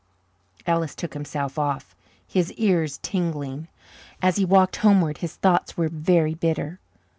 Ellis took himself off, his ears tingling. As he walked homeward his thoughts were very bitter.